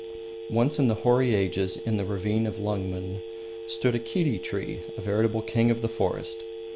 Once in the hoary ages in the Ravine of Lungmen stood a Kiri tree, a veritable king of the forest.